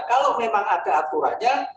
kalau memang ada aturannya